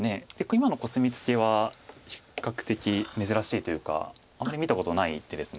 今のコスミツケは比較的珍しいというかあんまり見たことない手です。